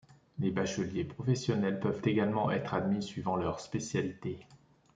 Les bacheliers professionnels peuvent également être admis suivant leur spécialité.